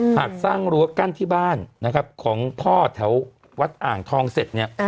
หากสร้างรั้วกั้นที่บ้านนะครับของพ่อแถววัดอ่างทองเสร็จเนี่ย